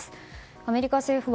アメリカ政府は